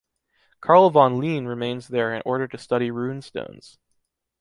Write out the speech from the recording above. Carl Von Line remains there in order to study runestones.